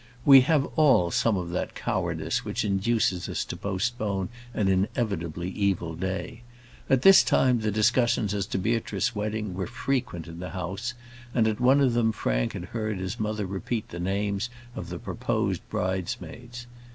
We have all some of that cowardice which induces us to postpone an inevitably evil day. At this time the discussions as to Beatrice's wedding were frequent in the house, and at one of them Frank had heard his mother repeat the names of the proposed bridesmaids.